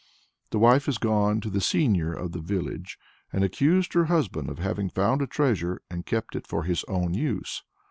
The wife has gone to the seigneur of the village and accused her husband of having found a treasure and kept it for his own use.